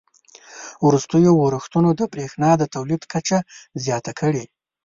وروستیو اورښتونو د بریښنا د تولید کچه زیاته کړې